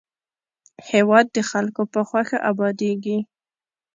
هېواد د خلکو په خوښه ابادېږي.